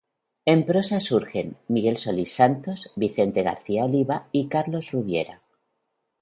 En prosa surgen Miguel Solís Santos, Vicente García Oliva y Carlos Rubiera.